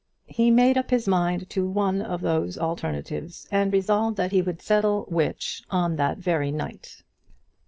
He made up his mind to one of those alternatives, and resolved that he would settle which on that very night.